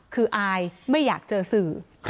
คืออายไม่อยากเจอสื่อ